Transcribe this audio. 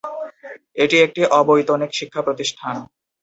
এটি একটি অবৈতনিক শিক্ষাপ্রতিষ্ঠান।